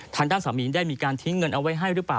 ทางด้านสามีได้มีการทิ้งเงินเอาไว้ให้รึเปล่า